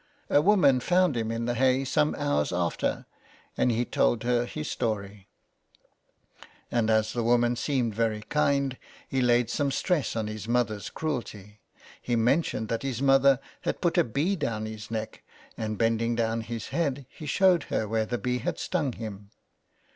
A woman found him in the hay some hours after, and he told her his story, and as the woman seemed very kind he laid some stress on his mother's cruelty. He mentioned that his mother had put a bee down his neck, and bending down his head he showed her where the bee had stung him.